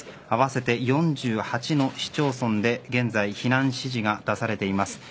合わせて４８の市町村で現在避難指示が出されています。